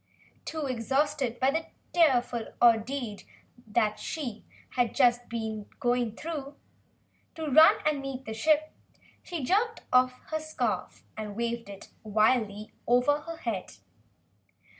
Too exhausted by the dreadful ordeal she had just been through to run to meet the ship, she jerked off her scarf and waved it wildly over her head.